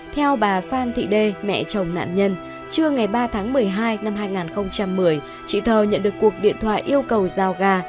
theo bà phan thị đê mẹ chồng nạn nhân trưa ngày ba tháng một mươi hai năm hai nghìn một mươi chị thơ nhận được cuộc điện thoại yêu cầu giao gà